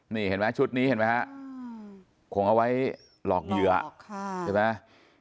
นี่เห็นไหมชุดนี้เห็นไหมฮะคงเอาไว้หลอกเหยื่อใช่ไหม